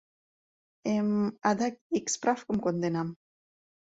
Э... м... адак ик справкым конденам...